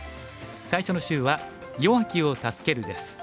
最初の週は「弱きを助ける」です。